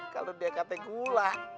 kalau dia kata gula